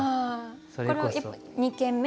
これは２軒目？